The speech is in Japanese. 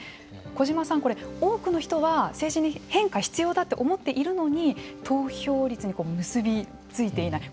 小島さん、多くの人は政治に変化が必要だと思っているのに投票率に結び付いていない